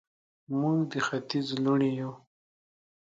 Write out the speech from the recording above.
موږ د ختیځ لوڼې یو